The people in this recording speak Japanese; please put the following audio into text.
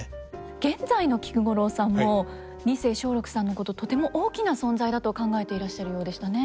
現在の菊五郎さんも二世松緑さんのこととても大きな存在だと考えていらっしゃるようでしたね。